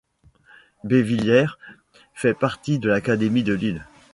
Bévillers fait partie de l'académie de Lille.